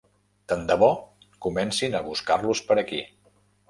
Tant de bo comencin a buscar-los per aquí.